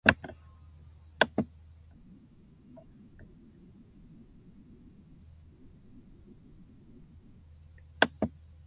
그때마다 그는 찬 냉수를 마시는 듯하여 가슴이 선뜻하곤 하였다.